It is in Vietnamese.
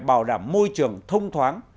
bảo đảm môi trường thông thoáng